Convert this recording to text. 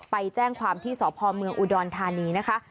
ไปแจ้งความที่สพเมืองอุดรธานีนะคะ